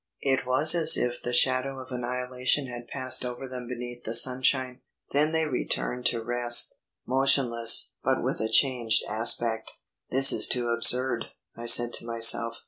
It was as if the shadow of annihilation had passed over them beneath the sunshine. Then they returned to rest; motionless, but with a changed aspect. "This is too absurd," I said to myself.